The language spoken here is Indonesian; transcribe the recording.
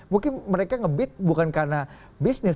mungkin mereka nge beat bukan karena bisnis